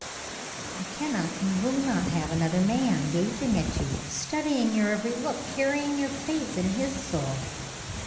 "I cannot and will not have another man gazing at you, studying your every look, carrying your face in his soul."